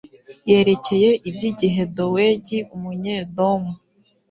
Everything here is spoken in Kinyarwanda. Yerekeye iby’igihe Dowegi Umunyedomu